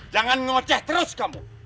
jangan ngoceh terus kamu